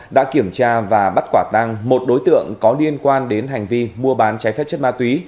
đã kiểm tra và bắt quả tăng một đối tượng có liên quan đến hành vi mua bán trái phép chất ma túy